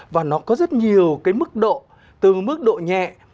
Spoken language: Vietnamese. và nó có rất nhiều cái mức độ từ mức độ nhẹ